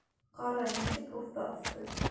Ҡара, нисек оҫта асты!